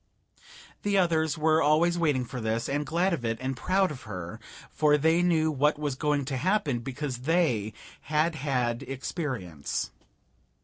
The others were always waiting for this, and glad of it and proud of her, for they knew what was going to happen, because they had had experience.